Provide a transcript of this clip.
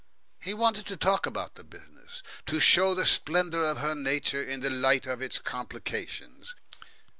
He wanted to talk about the business, to show the splendour of her nature in the light of its complications.